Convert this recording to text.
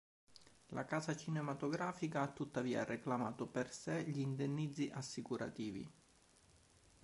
La casa cinematografica ha tuttavia reclamato per sé gli indennizzi assicurativi.